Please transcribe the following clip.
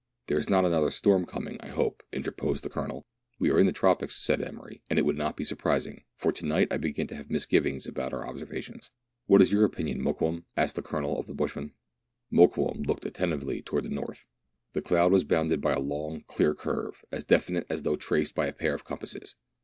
" There is not another storm coming, I hope," interposed the Colonel. "We are in the tropics," said Emery, "and it would not be surprising ; for to night I begin to have misgivings about our observations." "What is your opinion, Mokoum .?" asked the Colonel of the bushman. Mokoum looked attentively towards the north. The cloud was bounded by a long clear curve, as definite as though traced by a pair of compasses.